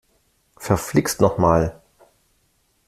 Verflixt noch mal!